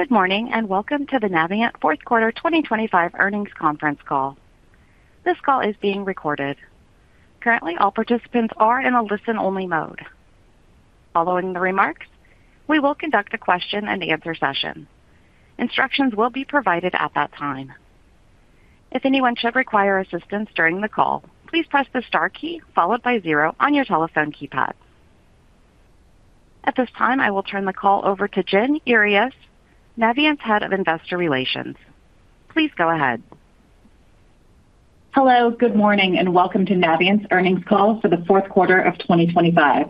Good morning, and welcome to the Navient fourth quarter 2025 earnings conference call. This call is being recorded. Currently, all participants are in a listen-only mode. Following the remarks, we will conduct a question-and-answer session. Instructions will be provided at that time. If anyone should require assistance during the call, please press the star key followed by zero on your telephone keypad. At this time, I will turn the call over to Jen Earyes, Navient's Head of Investor Relations. Please go ahead. Hello, good morning, and welcome to Navient's earnings call for the fourth quarter of 2025.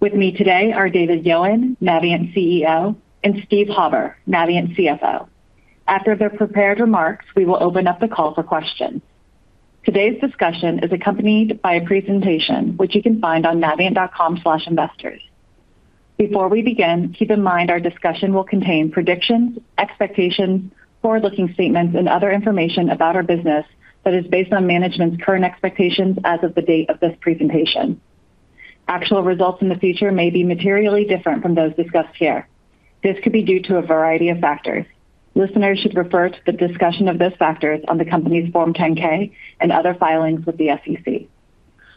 With me today are David Yowan, Navient CEO, and Steve Hauber, Navient CFO. After their prepared remarks, we will open up the call for questions. Today's discussion is accompanied by a presentation, which you can find on navient.com/investors. Before we begin, keep in mind our discussion will contain predictions, expectations, forward-looking statements, and other information about our business that is based on management's current expectations as of the date of this presentation. Actual results in the future may be materially different from those discussed here. This could be due to a variety of factors. Listeners should refer to the discussion of those factors on the company's Form 10-K and other filings with the SEC.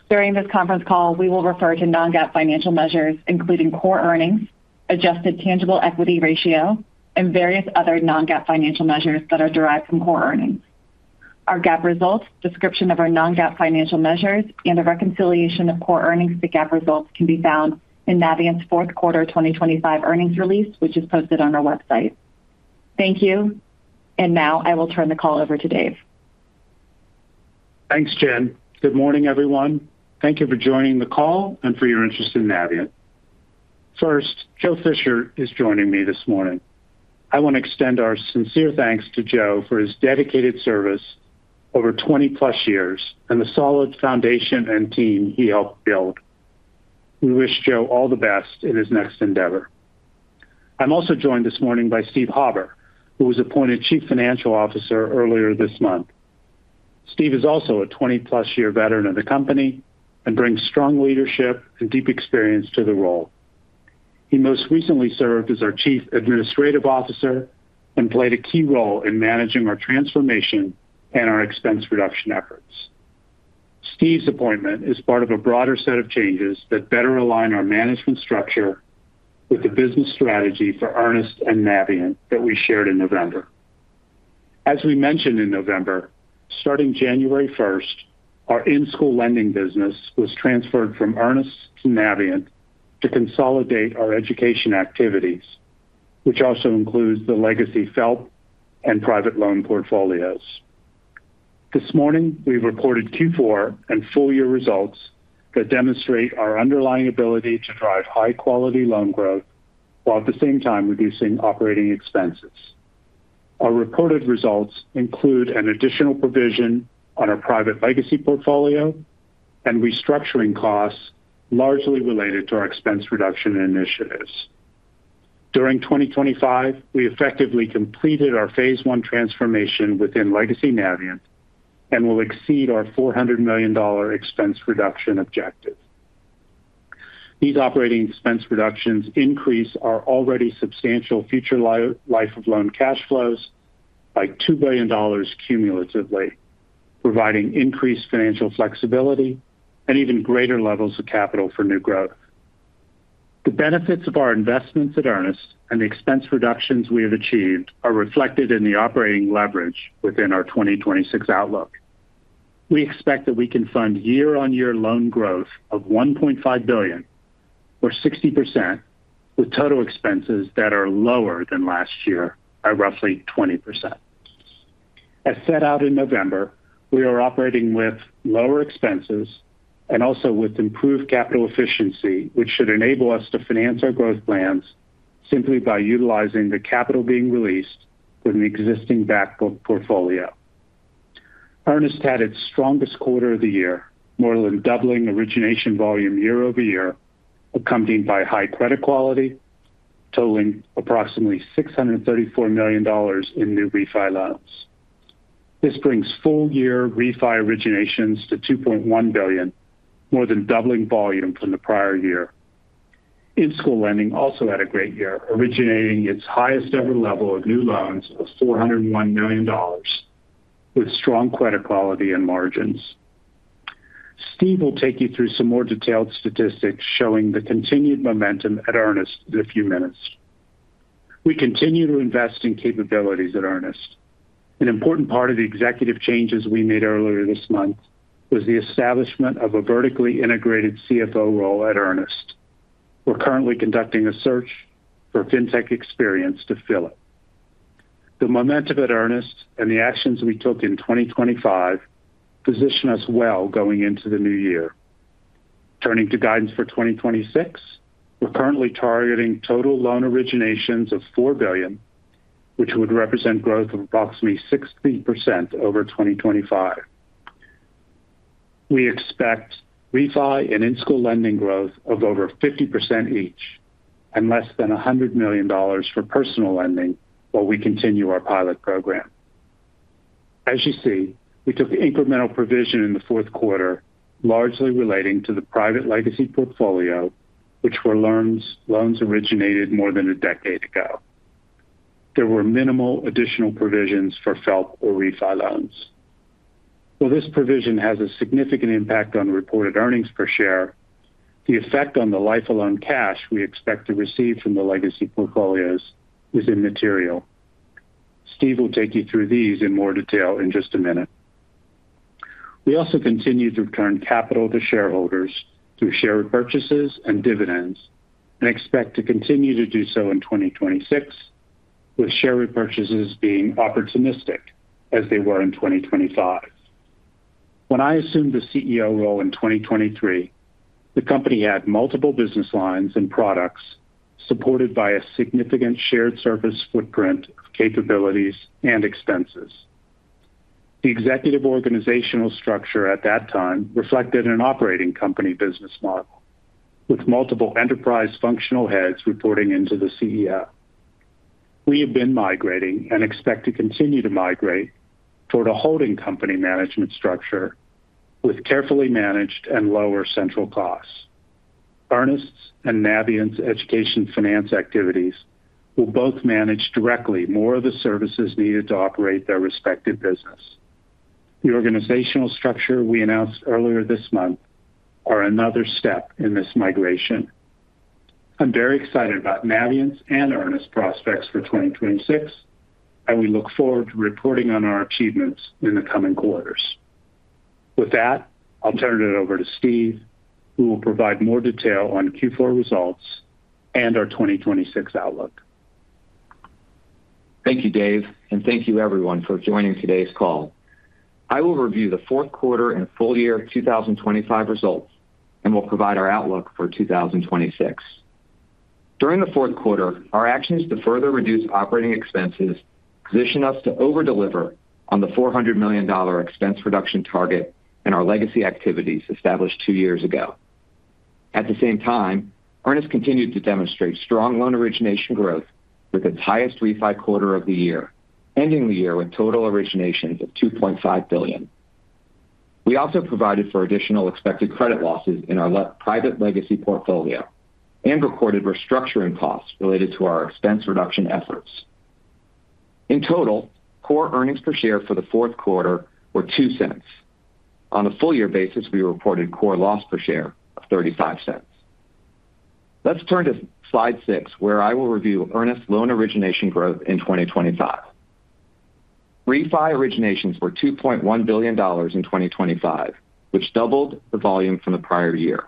During this conference call, we will refer to non-GAAP financial measures, including core earnings, adjusted tangible equity ratio, and various other non-GAAP financial measures that are derived from core earnings. Our GAAP results, description of our non-GAAP financial measures, and a reconciliation of core earnings to GAAP results can be found in Navient's fourth quarter 2025 earnings release, which is posted on our website. Thank you, and now I will turn the call over to Dave. Thanks, Jen. Good morning, everyone. Thank you for joining the call and for your interest in Navient. First, Joe Fisher is joining me this morning. I want to extend our sincere thanks to Joe for his dedicated service over 20+ years and the solid foundation and team he helped build. We wish Joe all the best in his next endeavor. I'm also joined this morning by Steve Hauber, who was appointed Chief Financial Officer earlier this month. Steve is also a 20+-year veteran of the company and brings strong leadership and deep experience to the role. He most recently served as our Chief Administrative Officer and played a key role in managing our transformation and our expense reduction efforts. Steve's appointment is part of a broader set of changes that better align our management structure with the business strategy for Earnest and Navient that we shared in November. As we mentioned in November, starting January first, our in-school lending business was transferred from Earnest to Navient to consolidate our education activities, which also includes the legacy FFELP and private loan portfolios. This morning, we reported Q4 and full-year results that demonstrate our underlying ability to drive high-quality loan growth while at the same time reducing operating expenses. Our reported results include an additional provision on our private legacy portfolio and restructuring costs, largely related to our expense reduction initiatives. During 2025, we effectively completed our phase one transformation within legacy Navient and will exceed our $400 million expense reduction objective. These operating expense reductions increase our already substantial future life of loan cash flows by $2 billion cumulatively, providing increased financial flexibility and even greater levels of capital for new growth. The benefits of our investments at Earnest and the expense reductions we have achieved are reflected in the operating leverage within our 2026 outlook. We expect that we can fund year-on-year loan growth of $1.5 billion, or 60%, with total expenses that are lower than last year by roughly 20%. As set out in November, we are operating with lower expenses and also with improved capital efficiency, which should enable us to finance our growth plans simply by utilizing the capital being released with an existing back book portfolio. Earnest had its strongest quarter of the year, more than doubling origination volume year-over-year, accompanied by high credit quality, totaling approximately $634 million in new refi loans. This brings full-year refi originations to $2.1 billion, more than doubling volume from the prior year. In-school lending also had a great year, originating its highest-ever level of new loans of $401 million, with strong credit quality and margins. Steve will take you through some more detailed statistics showing the continued momentum at Earnest in a few minutes. We continue to invest in capabilities at Earnest. An important part of the executive changes we made earlier this month was the establishment of a vertically integrated CFO role at Earnest. We're currently conducting a search for fintech experience to fill it. The momentum at Earnest and the actions we took in 2025 position us well going into the new year. Turning to guidance for 2026, we're currently targeting total loan originations of $4 billion, which would represent growth of approximately 60% over 2025. We expect refi and in-school lending growth of over 50% each and less than $100 million for personal lending while we continue our pilot program. As you see, we took incremental provision in the fourth quarter, largely relating to the private legacy portfolio, which were loans, loans originated more than a decade ago. There were minimal additional provisions for FFELP or refi loans. While this provision has a significant impact on reported earnings per share, the effect on the life of loan cash we expect to receive from the legacy portfolios is immaterial. Steve will take you through these in more detail in just a minute. We also continue to return capital to shareholders through share repurchases and dividends, and expect to continue to do so in 2026, with share repurchases being opportunistic as they were in 2025. When I assumed the CEO role in 2023, the company had multiple business lines and products, supported by a significant shared service footprint of capabilities and expenses. The executive organizational structure at that time reflected an operating company business model, with multiple enterprise functional heads reporting into the CEO. We have been migrating and expect to continue to migrate toward a holding company management structure with carefully managed and lower central costs. Earnest and Navient's education finance activities will both manage directly more of the services needed to operate their respective business. The organizational structure we announced earlier this month are another step in this migration. I'm very excited about Navient's and Earnest prospects for 2026, and we look forward to reporting on our achievements in the coming quarters. With that, I'll turn it over to Steve, who will provide more detail on Q4 results and our 2026 outlook. Thank you, Dave, and thank you everyone for joining today's call. I will review the fourth quarter and full year 2025 results, and will provide our outlook for 2026. During the fourth quarter, our actions to further reduce operating expenses positioned us to over-deliver on the $400 million expense reduction target in our legacy activities established 2 years ago. At the same time, Earnest continued to demonstrate strong loan origination growth with its highest refi quarter of the year, ending the year with total originations of $2.5 billion. We also provided for additional expected credit losses in our private legacy portfolio and recorded restructuring costs related to our expense reduction efforts. In total, core earnings per share for the fourth quarter were $0.02. On a full year basis, we reported core loss per share of $0.35. Let's turn to slide 6, where I will review Earnest loan origination growth in 2025. Refi originations were $2.1 billion in 2025, which doubled the volume from the prior year.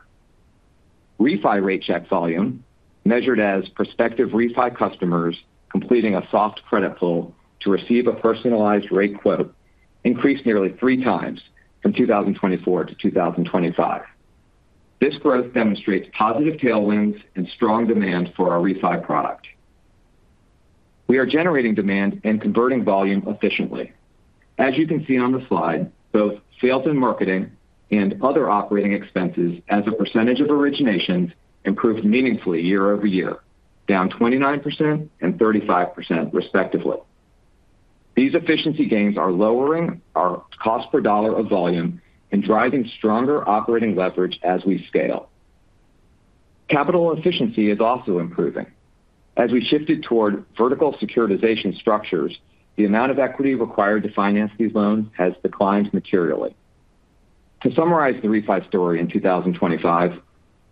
Refi rate check volume, measured as prospective refi customers completing a soft credit pull to receive a personalized rate quote, increased nearly 3 times from 2024 to 2025. This growth demonstrates positive tailwinds and strong demand for our refi product. We are generating demand and converting volume efficiently. As you can see on the slide, both sales and marketing and other operating expenses as a percentage of originations, improved meaningfully year-over-year, down 29% and 35% respectively. These efficiency gains are lowering our cost per dollar of volume and driving stronger operating leverage as we scale. Capital efficiency is also improving. As we shifted toward vertical securitization structures, the amount of equity required to finance these loans has declined materially. To summarize the refi story in 2025,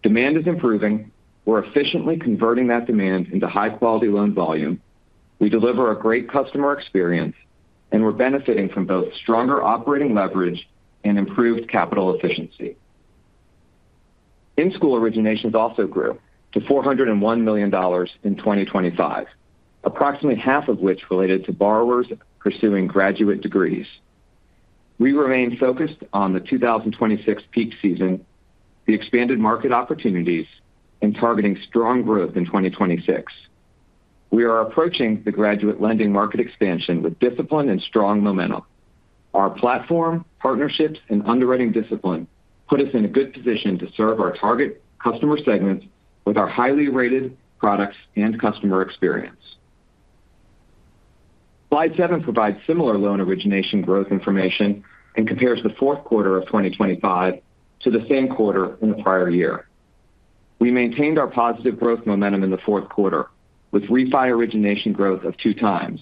demand is improving. We're efficiently converting that demand into high-quality loan volume. We deliver a great customer experience, and we're benefiting from both stronger operating leverage and improved capital efficiency. In-school originations also grew to $401 million in 2025, approximately half of which related to borrowers pursuing graduate degrees. We remain focused on the 2026 peak season, the expanded market opportunities, and targeting strong growth in 2026. We are approaching the graduate lending market expansion with discipline and strong momentum. Our platform, partnerships, and underwriting discipline put us in a good position to serve our target customer segments with our highly rated products and customer experience. Slide seven provides similar loan origination growth information and compares the fourth quarter of 2025 to the same quarter in the prior year. We maintained our positive growth momentum in the fourth quarter, with refi origination growth of 2x,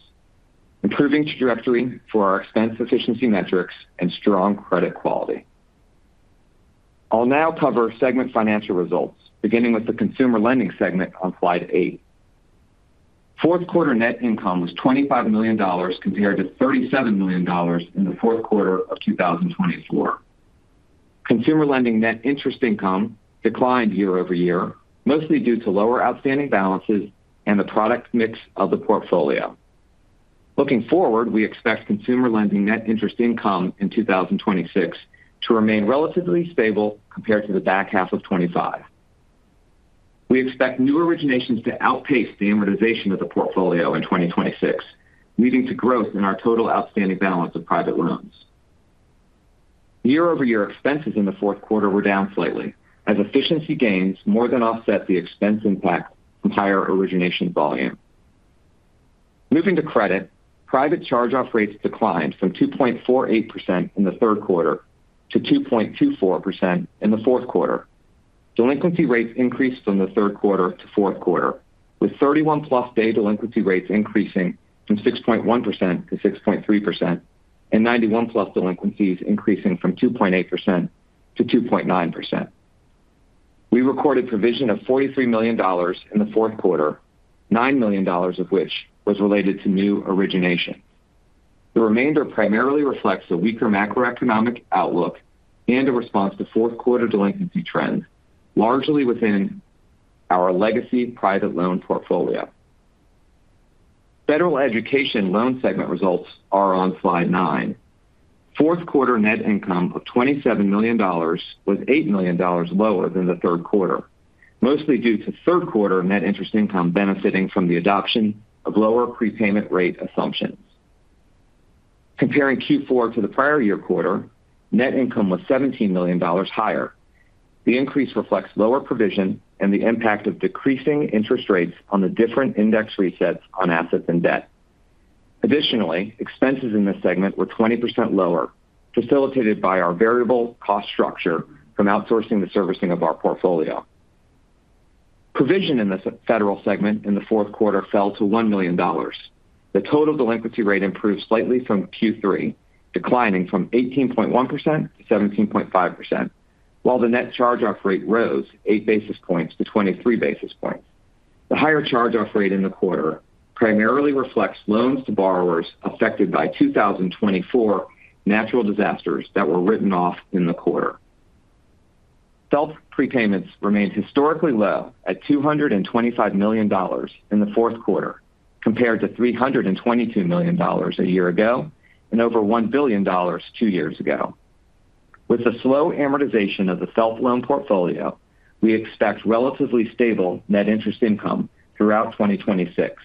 improving trajectory for our expense efficiency metrics and strong credit quality. I'll now cover segment financial results, beginning with the consumer lending segment on slide eight. Fourth quarter net income was $25 million, compared to $37 million in the fourth quarter of 2024. Consumer lending net interest income declined year-over-year, mostly due to lower outstanding balances and the product mix of the portfolio. Looking forward, we expect consumer lending net interest income in 2026 to remain relatively stable compared to the back half of 2025. We expect new originations to outpace the amortization of the portfolio in 2026, leading to growth in our total outstanding balance of private loans.... Year-over-year expenses in the fourth quarter were down slightly, as efficiency gains more than offset the expense impact from higher origination volume. Moving to credit, private charge-off rates declined from 2.48% in the third quarter to 2.24% in the fourth quarter. Delinquency rates increased from the third quarter to fourth quarter, with 31+ day delinquency rates increasing from 6.1% to 6.3%, and 91+ delinquencies increasing from 2.8% to 2.9%. We recorded provision of $43 million in the fourth quarter, $9 million of which was related to new origination. The remainder primarily reflects the weaker macroeconomic outlook and a response to fourth quarter delinquency trends, largely within our legacy private loan portfolio. Federal education loan segment results are on slide nine. Fourth quarter net income of $27 million was $8 million lower than the third quarter, mostly due to third quarter net interest income benefiting from the adoption of lower prepayment rate assumptions. Comparing Q4 to the prior year quarter, net income was $17 million higher. The increase reflects lower provision and the impact of decreasing interest rates on the different index resets on assets and debt. Additionally, expenses in this segment were 20% lower, facilitated by our variable cost structure from outsourcing the servicing of our portfolio. Provision in the federal segment in the fourth quarter fell to $1 million. The total delinquency rate improved slightly from Q3, declining from 18.1% to 17.5%, while the net charge-off rate rose 8 basis points to 23 basis points. The higher charge-off rate in the quarter primarily reflects loans to borrowers affected by 2024 natural disasters that were written off in the quarter. FFELP prepayments remained historically low at $225 million in the fourth quarter, compared to $322 million a year ago and over $1 billion two years ago. With the slow amortization of the FFELP loan portfolio, we expect relatively stable net interest income throughout 2026,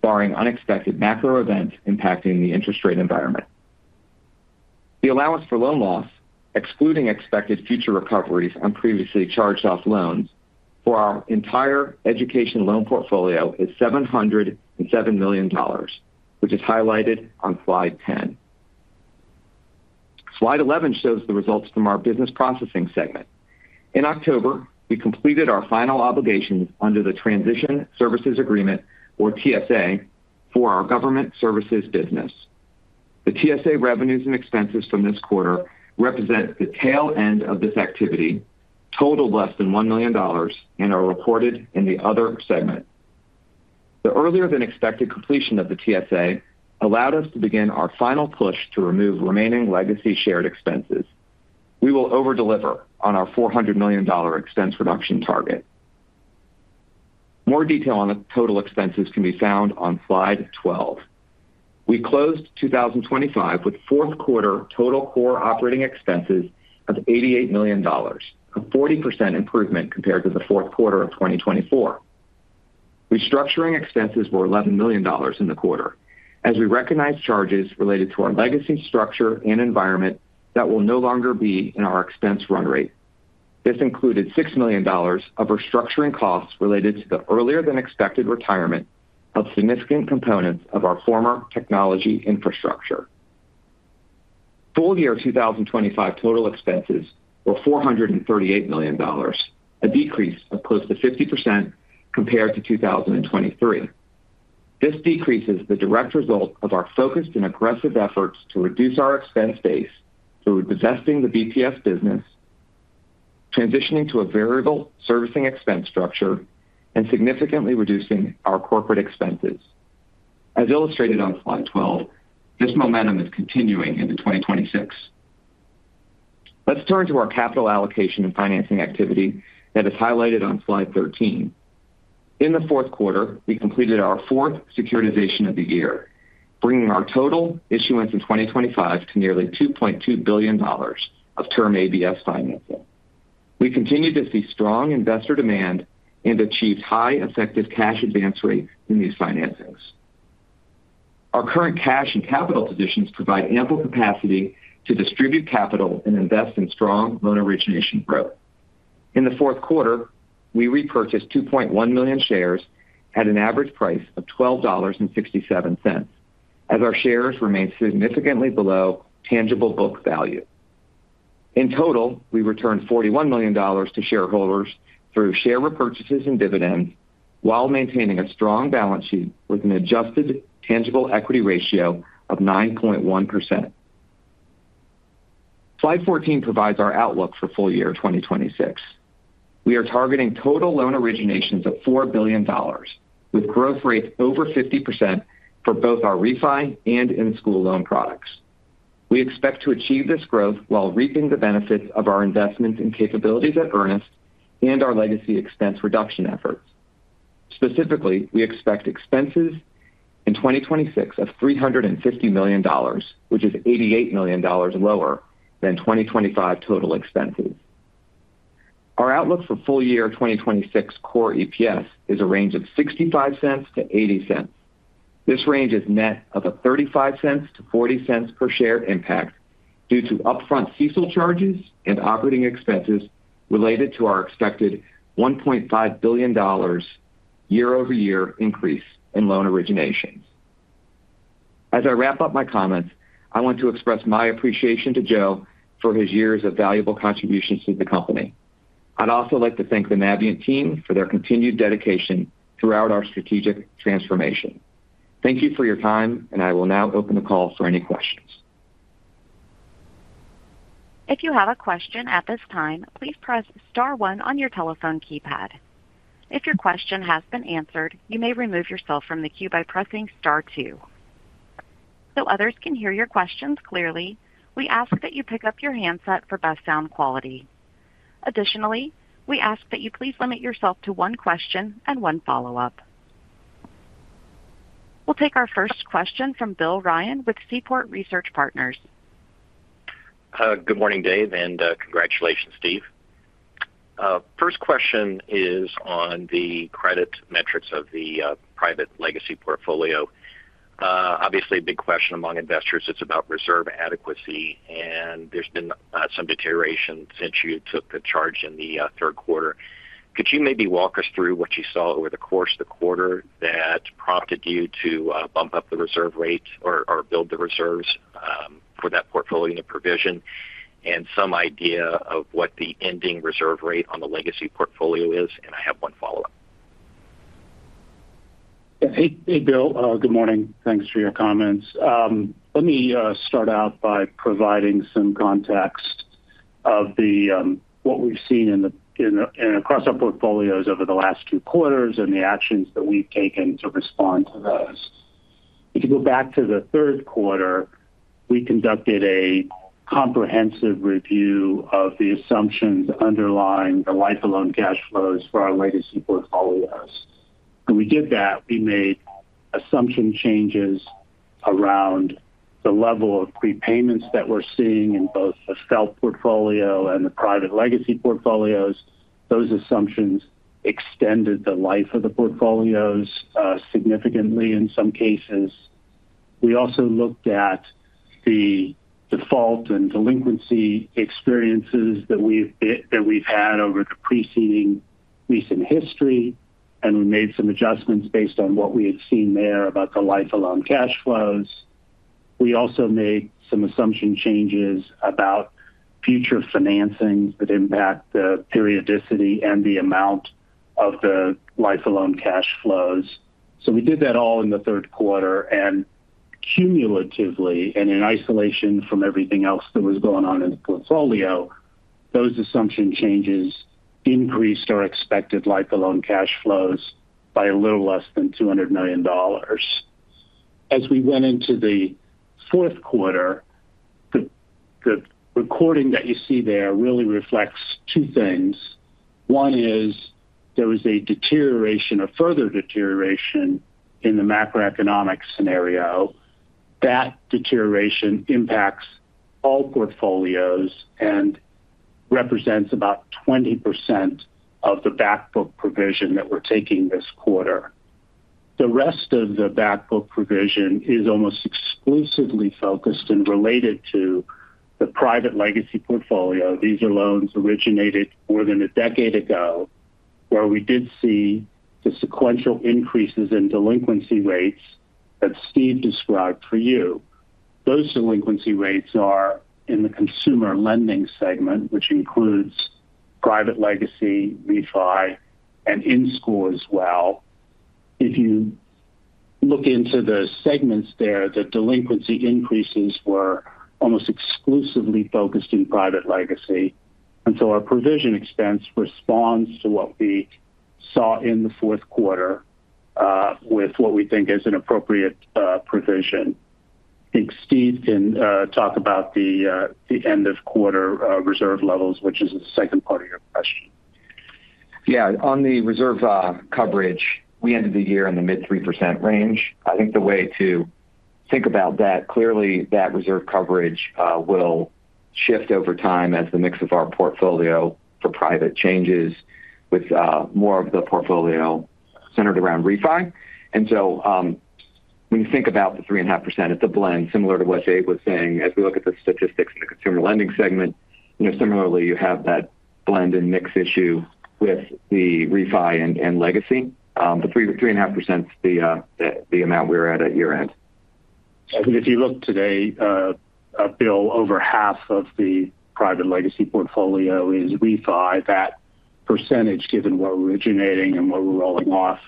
barring unexpected macro events impacting the interest rate environment. The allowance for loan loss, excluding expected future recoveries on previously charged-off loans for our entire education loan portfolio, is $707 million, which is highlighted on slide 10. Slide 11 shows the results from our business processing segment. In October, we completed our final obligations under the Transition Services Agreement, or TSA, for our government services business. The TSA revenues and expenses from this quarter represent the tail end of this activity, totaled less than $1 million, and are reported in the other segment. The earlier than expected completion of the TSA allowed us to begin our final push to remove remaining legacy shared expenses. We will overdeliver on our $400 million expense reduction target. More detail on the total expenses can be found on slide 12. We closed 2025 with fourth quarter total core operating expenses of $88 million, a 40% improvement compared to the fourth quarter of 2024. Restructuring expenses were $11 million in the quarter, as we recognized charges related to our legacy structure and environment that will no longer be in our expense run rate. This included $6 million of restructuring costs related to the earlier than expected retirement of significant components of our former technology infrastructure. Full year 2025 total expenses were $438 million, a decrease of close to 50% compared to 2023. This decrease is the direct result of our focused and aggressive efforts to reduce our expense base through divesting the BPS business, transitioning to a variable servicing expense structure, and significantly reducing our corporate expenses. As illustrated on slide 12, this momentum is continuing into 2026. Let's turn to our capital allocation and financing activity that is highlighted on slide 13. In the fourth quarter, we completed our fourth securitization of the year, bringing our total issuance in 2025 to nearly $2.2 billion of term ABS financing. We continued to see strong investor demand and achieved high effective cash advance rates in these financings. Our current cash and capital positions provide ample capacity to distribute capital and invest in strong loan origination growth. In the fourth quarter, we repurchased 2.1 million shares at an average price of $12.67, as our shares remained significantly below tangible book value. In total, we returned $41 million to shareholders through share repurchases and dividends while maintaining a strong balance sheet with an adjusted tangible equity ratio of 9.1%. Slide 14 provides our outlook for full year 2026. We are targeting total loan originations of $4 billion, with growth rates over 50% for both our refi and in-school loan products. We expect to achieve this growth while reaping the benefits of our investments and capabilities at Earnest and our legacy expense reduction efforts. Specifically, we expect expenses in 2026 of $350 million, which is $88 million lower than 2025 total expenses.... Our outlook for full year 2026 core EPS is a range of $0.65-$0.80. This range is net of a $0.35-$0.40 per share impact due to upfront CECL charges and operating expenses related to our expected $1.5 billion year-over-year increase in loan originations. As I wrap up my comments, I want to express my appreciation to Joe for his years of valuable contributions to the company. I'd also like to thank the Navient team for their continued dedication throughout our strategic transformation. Thank you for your time, and I will now open the call for any questions. If you have a question at this time, please press star one on your telephone keypad. If your question has been answered, you may remove yourself from the queue by pressing star two. So others can hear your questions clearly, we ask that you pick up your handset for best sound quality. Additionally, we ask that you please limit yourself to one question and one follow-up. We'll take our first question from Will Ryan with Seaport Research Partners. Good morning, Dave, and congratulations, Steve. First question is on the credit metrics of the private legacy portfolio. Obviously, a big question among investors is about reserve adequacy, and there's been some deterioration since you took the charge in the third quarter. Could you maybe walk us through what you saw over the course of the quarter that prompted you to bump up the reserve rate or build the reserves for that portfolio and the provision, and some idea of what the ending reserve rate on the legacy portfolio is? And I have one follow-up. Hey, hey, Will. Good morning. Thanks for your comments. Let me start out by providing some context of the what we've seen in the and across our portfolios over the last two quarters and the actions that we've taken to respond to those. If you go back to the third quarter, we conducted a comprehensive review of the assumptions underlying the life of loan cash flows for our legacy portfolios. When we did that, we made assumption changes around the level of prepayments that we're seeing in both the FFEL portfolio and the private legacy portfolios. Those assumptions extended the life of the portfolios, significantly in some cases. We also looked at the default and delinquency experiences that we've had over the preceding recent history, and we made some adjustments based on what we had seen there about the life of loan cash flows. We also made some assumption changes about future financings that impact the periodicity and the amount of the life of loan cash flows. So we did that all in the third quarter, and cumulatively, and in isolation from everything else that was going on in the portfolio, those assumption changes increased our expected life of loan cash flows by a little less than $200 million. As we went into the fourth quarter, the recording that you see there really reflects two things. One is there was a deterioration or further deterioration in the macroeconomic scenario. That deterioration impacts all portfolios and represents about 20% of the back book provision that we're taking this quarter. The rest of the back book provision is almost exclusively focused and related to the private legacy portfolio. These are loans originated more than a decade ago, where we did see the sequential increases in delinquency rates that Steve described for you. Those delinquency rates are in the consumer lending segment, which includes private legacy, refi, and in-school as well. If you look into the segments there, the delinquency increases were almost exclusively focused in private legacy, and so our provision expense responds to what we saw in the fourth quarter with what we think is an appropriate provision. I think Steve can talk about the end of quarter reserve levels, which is the second part of your question. Yeah. On the reserve coverage, we ended the year in the mid-3% range. I think the way to think about that, clearly, that reserve coverage will shift over time as the mix of our portfolio for private changes with more of the portfolio centered around refi. And so when you think about the 3.5%, it's a blend, similar to what Dave was saying. As we look at the statistics in the consumer lending segment, you know, similarly, you have that blend and mix issue with the refi and legacy. The 3.5% is the amount we're at at year-end. If you look today, Bill, over half of the private legacy portfolio is refi. That percentage, given what we're originating and what we're rolling off,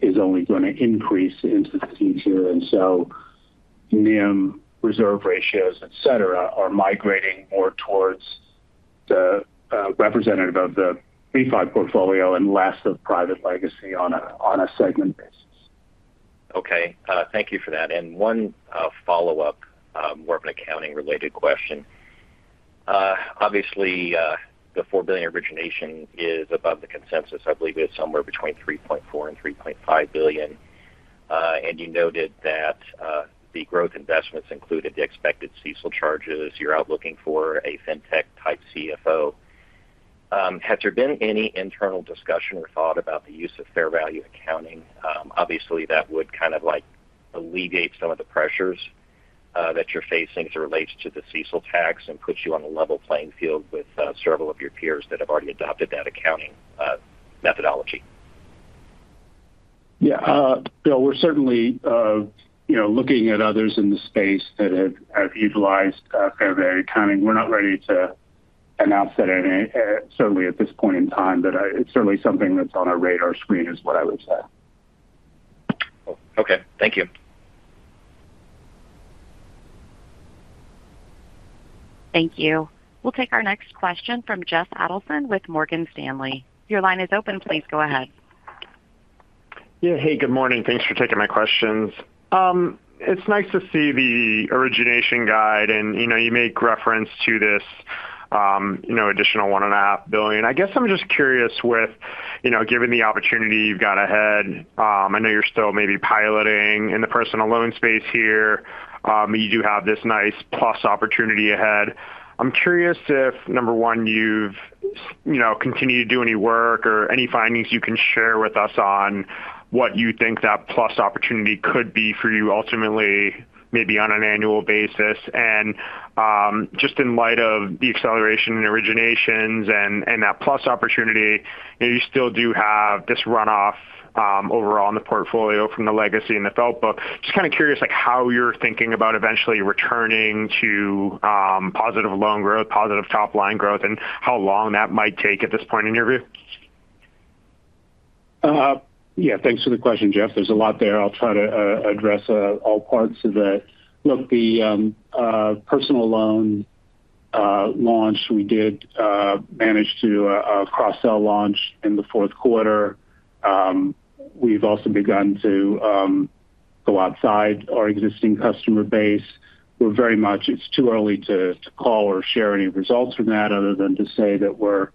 is only going to increase into the future. And so NIM, reserve ratios, et cetera, are migrating more towards the representative of the refi portfolio and less of private legacy on a segment basis. Okay. Thank you for that. And one follow-up, more of an accounting-related question. Obviously, the $4 billion origination is above the consensus. I believe it's somewhere between $3.4 billion and $3.5 billion, and you noted that the growth investments included the expected CECL charges. You're out looking for a fintech-type CFO. Has there been any internal discussion or thought about the use of fair value accounting? Obviously, that would kind of, like, alleviate some of the pressures that you're facing as it relates to the CECL tax and puts you on a level playing field with several of your peers that have already adopted that accounting methodology. Yeah, Bill, we're certainly, you know, looking at others in the space that have utilized fair value accounting. We're not ready to announce that at any. Certainly at this point in time, but, it's certainly something that's on our radar screen, is what I would say. Okay, thank you. Thank you. We'll take our next question from Jeff Adelson with Morgan Stanley. Your line is open. Please go ahead. Yeah. Hey, good morning. Thanks for taking my questions. It's nice to see the origination guide, and, you know, you make reference to this, you know, additional $1.5 billion. I guess I'm just curious with, you know, given the opportunity you've got ahead, I know you're still maybe piloting in the personal loan space here. You do have this nice PLUS opportunity ahead. I'm curious if, number one, you've, you know, continued to do any work or any findings you can share with us on what you think that PLUS opportunity could be for you ultimately, maybe on an annual basis. And, just in light of the acceleration in originations and that PLUS opportunity, you still do have this runoff, overall in the portfolio from the legacy and the FFELP book. Just kind of curious, like, how you're thinking about eventually returning to positive loan growth, positive top-line growth, and how long that might take at this point, in your view? Yeah, thanks for the question, Jeff. There's a lot there. I'll try to address all parts of that. Look, the personal loan launch, we did manage to cross-sell launch in the fourth quarter. We've also begun to go outside our existing customer base. We're very much, it's too early to call or share any results from that, other than to say that we're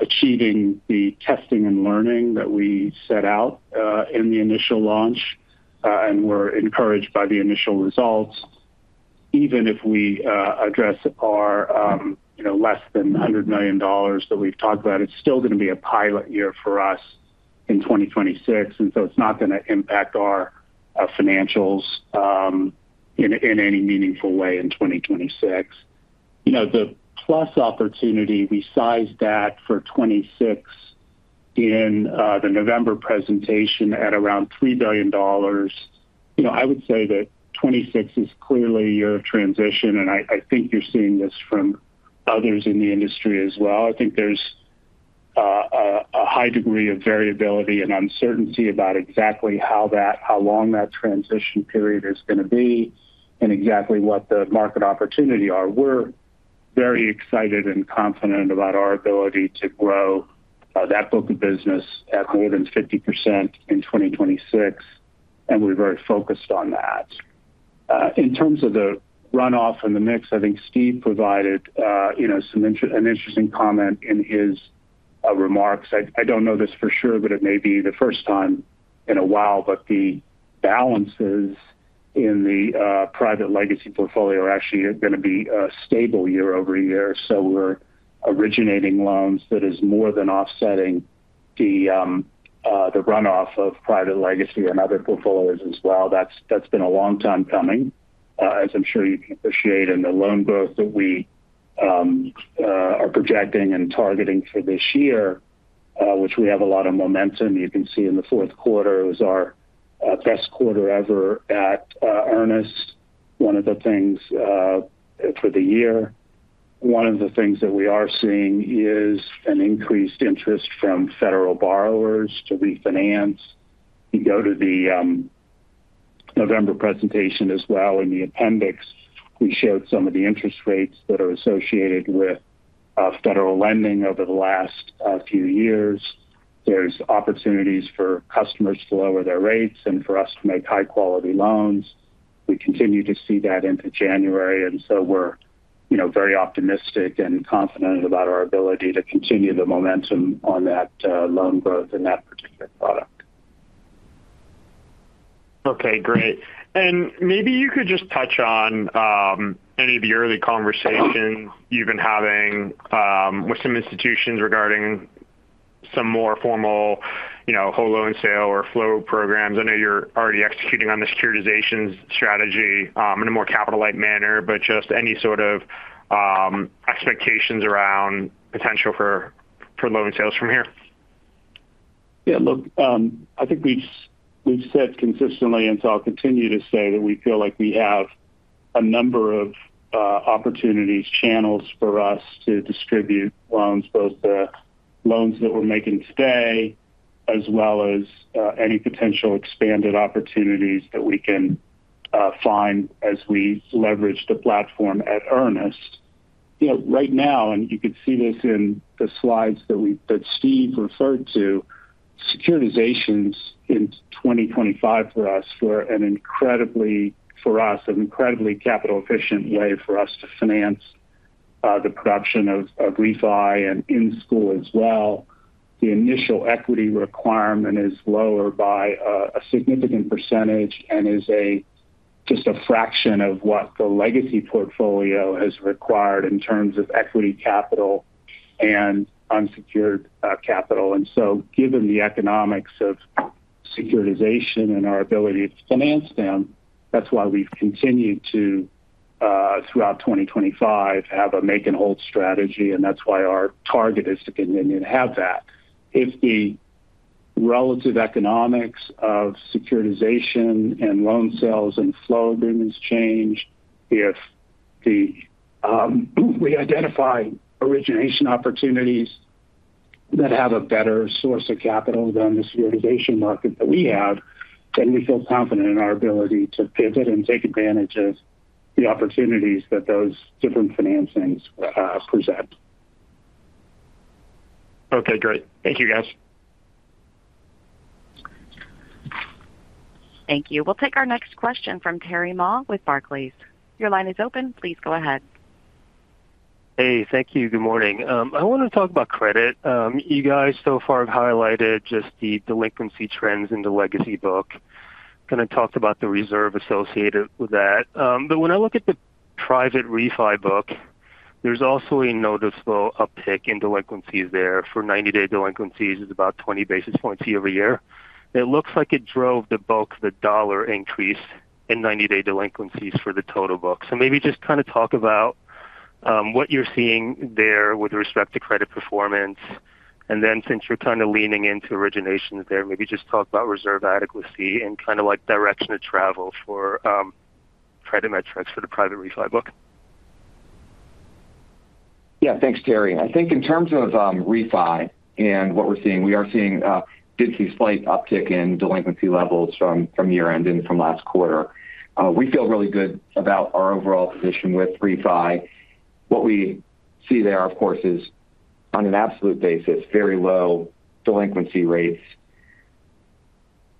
achieving the testing and learning that we set out in the initial launch, and we're encouraged by the initial results. Even if we address our, you know, less than $100 million that we've talked about, it's still going to be a pilot year for us in 2026, and so it's not going to impact our financials in any meaningful way in 2026. You know, the PLUS opportunity, we sized that for 2026 in the November presentation at around $3 billion. You know, I would say that 2026 is clearly a year of transition, and I think you're seeing this from others in the industry as well. I think there's a high degree of variability and uncertainty about exactly how long that transition period is going to be and exactly what the market opportunity are. We're very excited and confident about our ability to grow that book of business at more than 50% in 2026, and we're very focused on that. In terms of the runoff in the mix, I think Steve provided some interesting comment in his remarks. I, I don't know this for sure, but it may be the first time in a while, but the balances in the private legacy portfolio are actually going to be stable year-over-year. So we're originating loans that is more than offsetting the runoff of private legacy and other portfolios as well. That's, that's been a long time coming, as I'm sure you can appreciate. And the loan growth that we are projecting and targeting for this year, which we have a lot of momentum, you can see in the fourth quarter, it was our best quarter ever at Earnest. One of the things for the year, one of the things that we are seeing is an increased interest from federal borrowers to refinance. You go to the November presentation as well. In the appendix, we showed some of the interest rates that are associated with federal lending over the last few years. There's opportunities for customers to lower their rates and for us to make high-quality loans. We continue to see that into January, and so we're, you know, very optimistic and confident about our ability to continue the momentum on that loan growth in that particular product. Okay, great. And maybe you could just touch on any of the early conversations you've been having with some institutions regarding some more formal, you know, whole loan sale or flow programs. I know you're already executing on the securitization strategy in a more capital-like manner, but just any sort of expectations around potential for loan sales from here? Yeah, look, I think we've, we've said consistently, and so I'll continue to say, that we feel like we have a number of opportunities, channels for us to distribute loans, both the loans that we're making today, as well as any potential expanded opportunities that we can find as we leverage the platform at Earnest. You know, right now, and you can see this in the slides that Steve referred to, securitizations in 2025 for us were an incredibly, for us, an incredibly capital-efficient way for us to finance the production of refi and in-school as well. The initial equity requirement is lower by a significant percentage and is a, just a fraction of what the legacy portfolio has required in terms of equity capital and unsecured capital. And so given the economics of securitization and our ability to finance them, that's why we've continued to, throughout 2025, have a make and hold strategy, and that's why our target is to continue to have that. If the relative economics of securitization and loan sales and flow agreements change, if we identify origination opportunities that have a better source of capital than the securitization market that we have, then we feel confident in our ability to pivot and take advantage of the opportunities that those different financings present. Okay, great. Thank you, guys. Thank you. We'll take our next question from Terry Ma with Barclays. Your line is open. Please go ahead. Hey, thank you. Good morning. I want to talk about credit. You guys so far have highlighted just the delinquency trends in the legacy book, kind of talked about the reserve associated with that. But when I look at the private refi book, there's also a noticeable uptick in delinquencies there. For ninety-day delinquencies, it's about 20 basis points year-over-year. It looks like it drove the bulk of the dollar increase in ninety-day delinquencies for the total book. So maybe just kind of talk about what you're seeing there with respect to credit performance. And then since you're kind of leaning into origination there, maybe just talk about reserve adequacy and kind of, like, direction of travel for credit metrics for the private refi book. Yeah. Thanks, Terry. I think in terms of refi and what we're seeing, we are seeing did see a slight uptick in delinquency levels from year-end and from last quarter. We feel really good about our overall position with refi. What we see there, of course, is on an absolute basis, very low delinquency rates.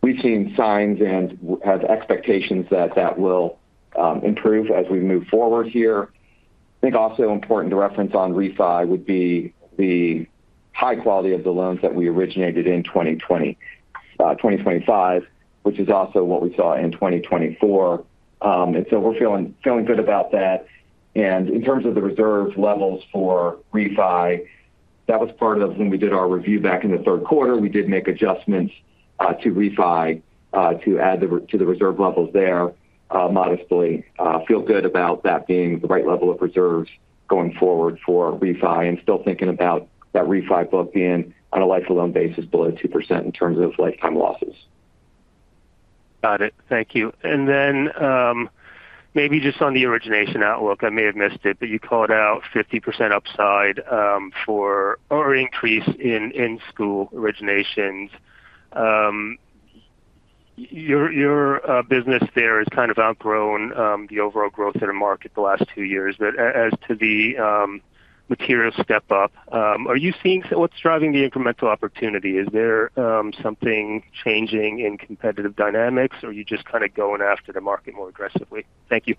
We've seen signs and have expectations that that will improve as we move forward here. I think also important to reference on refi would be the high quality of the loans that we originated in 2020, 2025, which is also what we saw in 2024. And so we're feeling, feeling good about that. And in terms of the reserve levels for refi, that was part of when we did our review back in the third quarter. We did make adjustments to refi to add to the reserve levels there, modestly. Feel good about that being the right level of reserves going forward for refi, and still thinking about that refi book being, on a life of loan basis, below 2% in terms of lifetime losses. Got it. Thank you. And then, maybe just on the origination outlook, I may have missed it, but you called out 50% upside for or increase in in-school originations. Your business there has kind of outgrown the overall growth in the market the last two years. But as to the material step-up, are you seeing so what's driving the incremental opportunity? Is there something changing in competitive dynamics, or are you just kind of going after the market more aggressively? Thank you.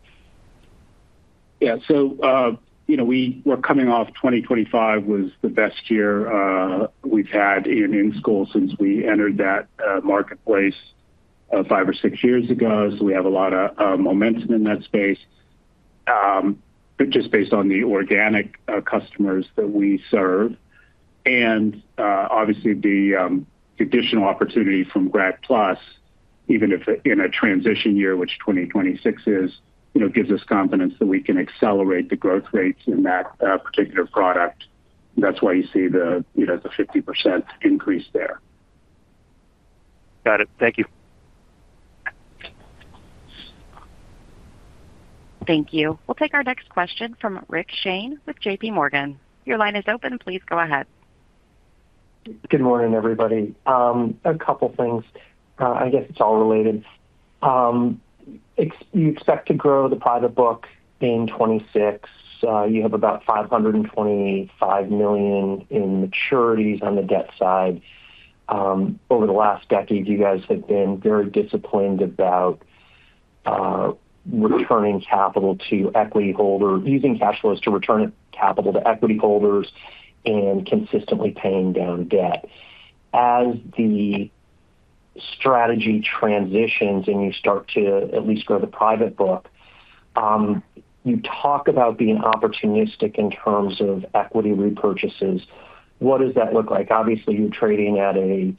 Yeah. So, you know, we're coming off 2025 was the best year we've had in in-school since we entered that marketplace five or six years ago. So we have a lot of momentum in that space just based on the organic customers that we serve. And obviously, the additional opportunity from Grad PLUS, even if in a transition year, which 2026 is, you know, gives us confidence that we can accelerate the growth rates in that particular product. That's why you see the, you know, the 50% increase there. Got it. Thank you. Thank you. We'll take our next question from Rick Shane with J.P. Morgan. Your line is open. Please go ahead. Good morning, everybody. A couple things. I guess it's all related. You expect to grow the private book in 2026. You have about $525 million in maturities on the debt side. Over the last decade, you guys have been very disciplined about using cash flows to return capital to equity holders and consistently paying down debt. As the strategy transitions and you start to at least grow the private book, you talk about being opportunistic in terms of equity repurchases. What does that look like? Obviously, you're trading at a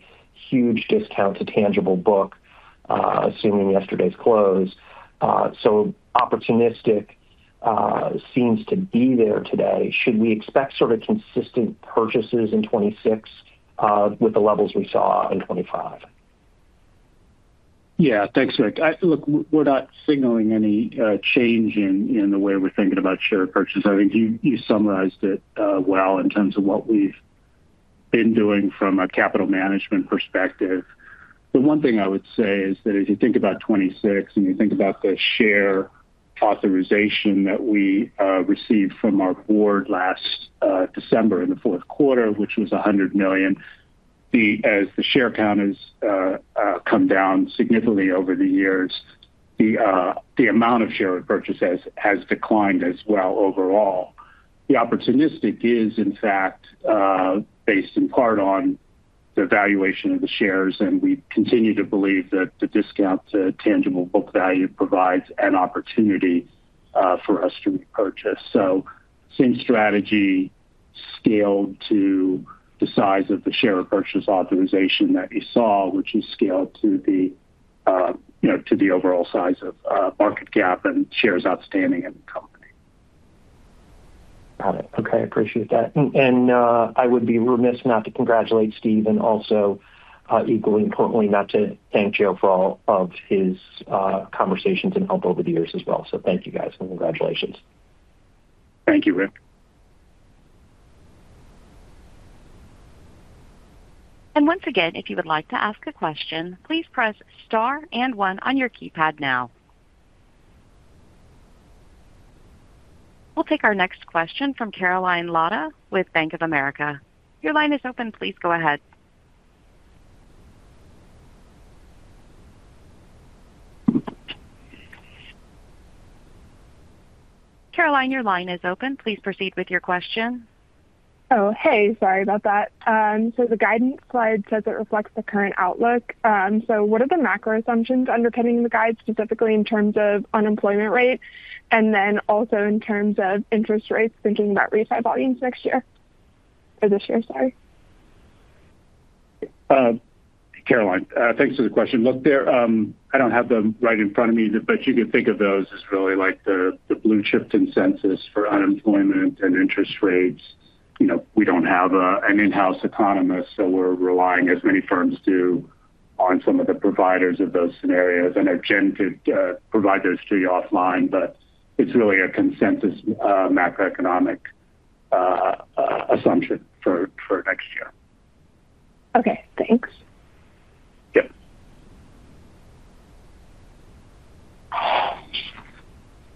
huge discount to tangible book, assuming yesterday's close. So opportunistic seems to be there today. Should we expect sort of consistent purchases in 2026 with the levels we saw in 2025? Yeah. Thanks, Rick. Look, we're not signaling any change in the way we're thinking about share purchases. I think you summarized it well in terms of what we've been doing from a capital management perspective. The one thing I would say is that if you think about 2026 and you think about the share authorization that we received from our board last December in the fourth quarter, which was 100 million-... as the share count has come down significantly over the years, the amount of share repurchases has declined as well overall. The opportunistic is in fact based in part on the valuation of the shares, and we continue to believe that the discount to tangible book value provides an opportunity for us to repurchase. So same strategy scaled to the size of the share repurchase authorization that you saw, which is scaled to the, you know, to the overall size of market cap and shares outstanding in the company. Got it. Okay, I appreciate that. And, and, I would be remiss not to congratulate Steve and also, equally importantly, not to thank Joe for all of his, conversations and help over the years as well. So thank you guys, and congratulations. Thank you, Rick. Once again, if you would like to ask a question, please press Star and one on your keypad now. We'll take our next question from Caroline Latta with Bank of America. Your line is open. Please go ahead. Caroline, your line is open. Please proceed with your question. Oh, hey, sorry about that. So the guidance slide says it reflects the current outlook. So what are the macro assumptions underpinning the guide, specifically in terms of unemployment rate and then also in terms of interest rates, thinking about refi volumes next year or this year? Sorry. Caroline, thanks for the question. Look, there, I don't have them right in front of me, but you can think of those as really like the Blue Chip consensus for unemployment and interest rates. You know, we don't have an in-house economist, so we're relying, as many firms do, on some of the providers of those scenarios and I've Jen to provide those to you offline, but it's really a consensus macroeconomic assumption for next year. Okay, thanks. Yeah.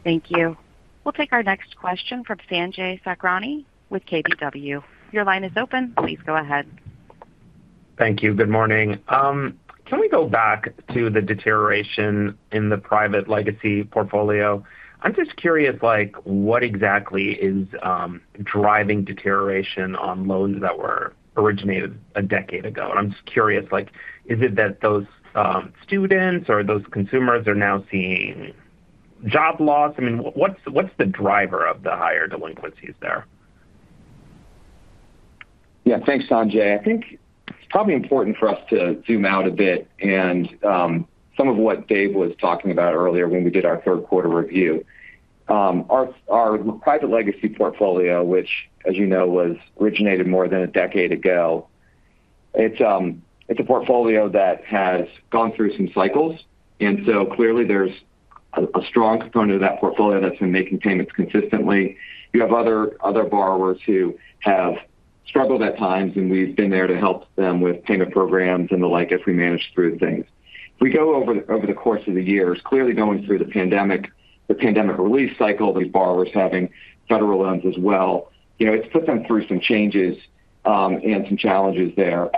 Thank you. We'll take our next question from Sanjay Sakhrani with KBW. Your line is open. Please go ahead. Thank you. Good morning. Can we go back to the deterioration in the private legacy portfolio? I'm just curious, like, what exactly is driving deterioration on loans that were originated a decade ago? I'm just curious, like, is it that those students or those consumers are now seeing job loss? I mean, what's the driver of the higher delinquencies there? Yeah, thanks, Sanjay. I think it's probably important for us to zoom out a bit and some of what Dave was talking about earlier when we did our third quarter review. Our private legacy portfolio, which, as you know, was originated more than a decade ago, it's a portfolio that has gone through some cycles, and so clearly there's a strong component of that portfolio that's been making payments consistently. You have other borrowers who have struggled at times, and we've been there to help them with payment programs and the like, as we manage through things. If we go over the course of the years, clearly going through the pandemic, the pandemic relief cycle, these borrowers having federal loans as well, you know, it's put them through some changes and some challenges there.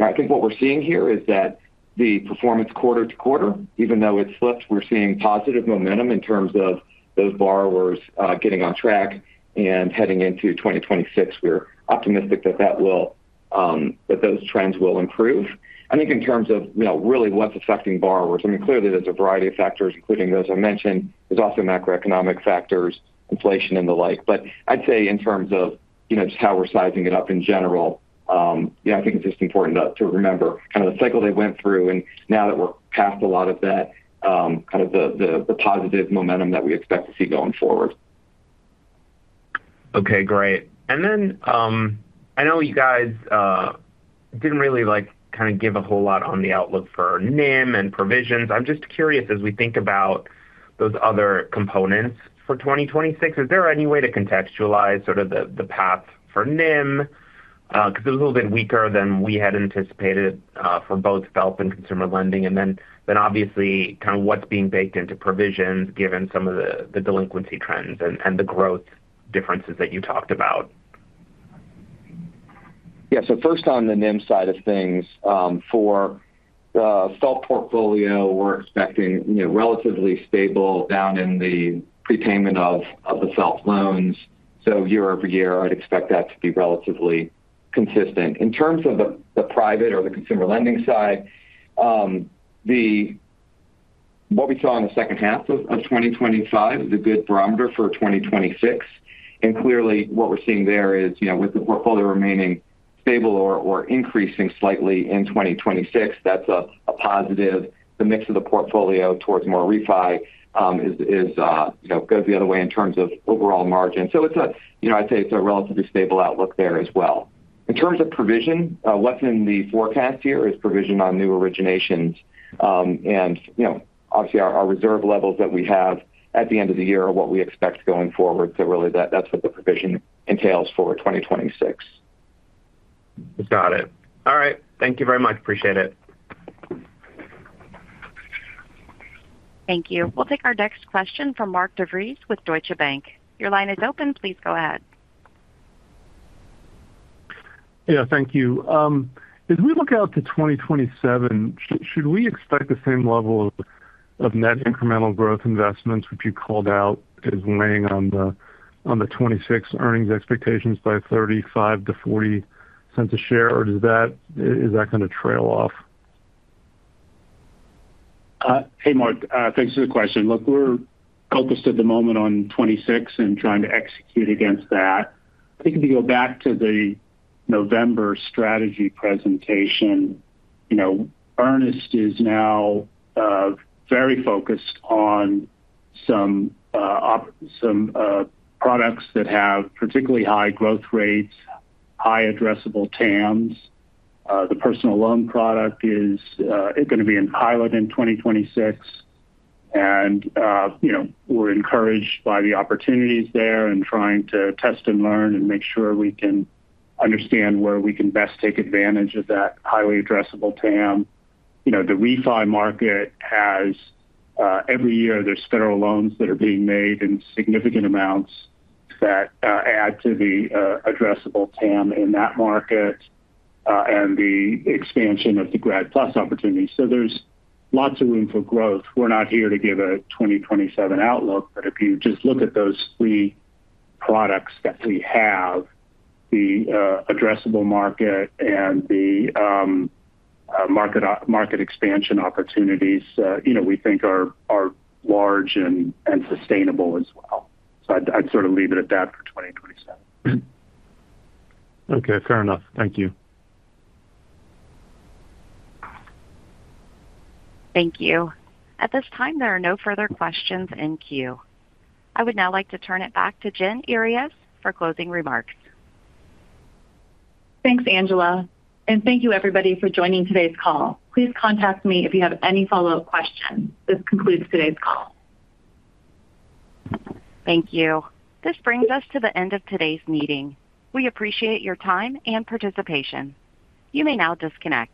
I think what we're seeing here is that the performance quarter to quarter, even though it's slipped, we're seeing positive momentum in terms of those borrowers getting on track and heading into 2026. We're optimistic that that will, that those trends will improve. I think in terms of, you know, really what's affecting borrowers, I mean, clearly there's a variety of factors, including those I mentioned. There's also macroeconomic factors, inflation and the like. But I'd say in terms of, you know, just how we're sizing it up in general, yeah, I think it's just important to remember kind of the cycle they went through and now that we're past a lot of that, kind of the positive momentum that we expect to see going forward. Okay, great. And then, I know you guys didn't really, like, kind of give a whole lot on the outlook for NIM and provisions. I'm just curious, as we think about those other components for 2026, is there any way to contextualize sort of the path for NIM? Because it was a little bit weaker than we had anticipated for both FFELP and consumer lending, and then obviously kind of what's being baked into provisions, given some of the delinquency trends and the growth differences that you talked about. Yeah. So first, on the NIM side of things, for the FFELP portfolio, we're expecting, you know, relatively stable down in the prepayment of the FFELP loans. So year-over-year, I'd expect that to be relatively consistent. In terms of the private or the consumer lending side, what we saw in the second half of 2025 is a good barometer for 2026, and clearly what we're seeing there is, you know, with the portfolio remaining stable or increasing slightly in 2026, that's a positive. The mix of the portfolio towards more refi is, you know, goes the other way in terms of overall margin. So it's, you know, I'd say it's a relatively stable outlook there as well. In terms of provision, what's in the forecast here is provision on new originations. You know, obviously our reserve levels that we have at the end of the year are what we expect going forward. So really, that's what the provision entails for 2026. Got it. All right. Thank you very much. Appreciate it. Thank you. We'll take our next question from Mark DeVries with Deutsche Bank. Your line is open. Please go ahead. Yeah, thank you. As we look out to 2027, should we expect the same level of net incremental growth investments, which you called out as weighing on the 2026 earnings expectations by $0.35-$0.40 a share? Or is that going to trail off? Hey, Mark, thanks for the question. Look, we're focused at the moment on 2026 and trying to execute against that. I think if you go back to the November strategy presentation, you know, Earnest is now very focused on some products that have particularly high growth rates, high addressable TAMs. The personal loan product is going to be in pilot in 2026. And you know, we're encouraged by the opportunities there and trying to test and learn and make sure we can understand where we can best take advantage of that highly addressable TAM. You know, the refi market has every year, there's federal loans that are being made in significant amounts that add to the addressable TAM in that market, and the expansion of the Grad PLUS opportunity. So there's lots of room for growth. We're not here to give a 2027 outlook, but if you just look at those three products that we have, the addressable market and the market expansion opportunities, you know, we think are large and sustainable as well. So I'd sort of leave it at that for 2027. Okay, fair enough. Thank you. Thank you. At this time, there are no further questions in queue. I would now like to turn it back to Jen Earyes for closing remarks. Thanks, Angela, and thank you, everybody, for joining today's call. Please contact me if you have any follow-up questions. This concludes today's call. Thank you. This brings us to the end of today's meeting. We appreciate your time and participation. You may now disconnect.